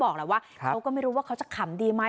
เขาก็ไม่รู้ว่าเขาจะขำมั้ย